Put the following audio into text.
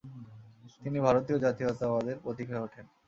তিনি ভারতীয় জাতীয়তাবাদের প্রতীক হয়ে ওঠেন।